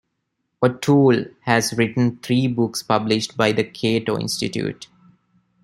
O'Toole has written three books published by the Cato Institute.